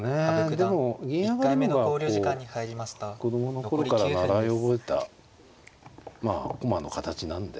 でも銀上がりの方がこう子供の頃から習い覚えたまあ駒の形なんで。